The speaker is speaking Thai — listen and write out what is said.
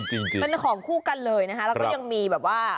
จริงเป็นของคู่กันเลยนะคะแล้วก็ยังมีแบบว่า